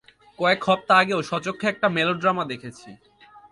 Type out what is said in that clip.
কয়েক হপ্তা আগেও স্বচক্ষে একটা মেলোড্রামা দেখেছি।